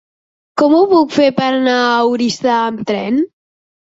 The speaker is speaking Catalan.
Com ho puc fer per anar a Oristà amb tren?